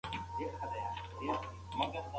غوښه په لویو غوریو کې په مینه مېلمنو ته راوړل شوه.